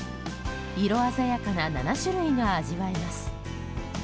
色鮮やかな７種類が味わえます。